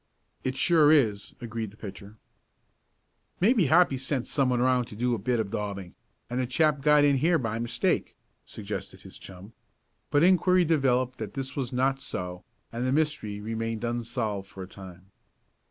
"It sure is," agreed the pitcher. "Maybe Hoppy sent someone around to do a bit of daubing, and the chap got in here by mistake," suggested his chum. But inquiry developed that this was not so, and the mystery remained unsolved for a time.